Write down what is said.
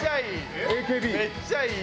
めっちゃいい！